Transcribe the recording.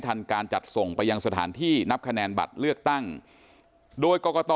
ทันการจัดส่งไปยังสถานที่นับคะแนนบัตรเลือกตั้งโดยกรกต